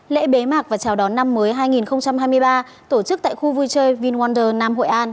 lễ bế mạc và chào đón năm mới hai nghìn hai mươi ba tổ chức tại khu vui chơi vinwonder nam hội an